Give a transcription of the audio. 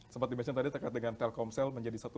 seperti yang tadi terkait dengan telkomsel menjadi satu